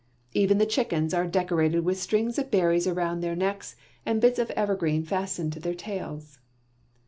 Even the chickens are decorated with strings of berries around their necks and bits of evergreen fastened to their tails.